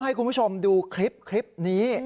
ให้คุณผู้ชมดูคลิปนี้